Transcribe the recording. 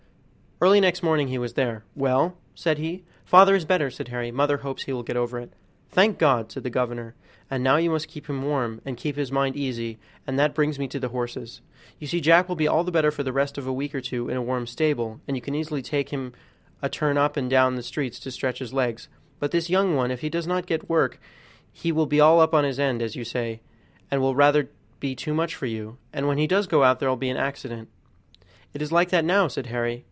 Early next morning he was there. "Well?" said he. "Father is better," said Harry. "Mother hopes he will get over it." "Thank God!" said the governor, "and now you must keep him warm, and keep his mind easy, and that brings me to the horses; you see Jack will be all the better for the rest of a week or two in a warm stable, and you can easily take him a turn up and down the street to stretch his legs; but this young one, if he does not get work, he will soon be all up on end, as you may say, and will be rather too much for you; and when he does go out there'll be an accident." "It is like that now," said Harry.